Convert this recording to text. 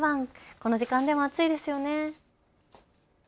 この時間でも暑いですよね。